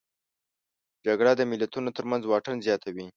جګړه د ملتونو ترمنځ واټن زیاتوي